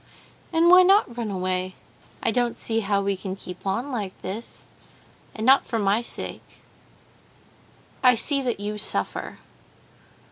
"And why not run away? I don't see how we can keep on like this. And not for my sake—I see that you suffer."